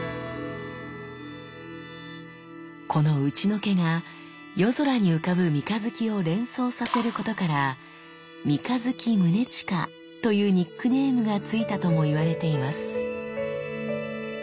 この打除けが夜空に浮かぶ三日月を連想させることから三日月宗近というニックネームがついたとも言われています。